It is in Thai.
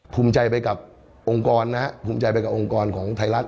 ภูมิใจไปกับองค์กรนะครับภูมิใจไปกับองค์กรของไทยรัฐ